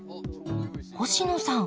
星野さん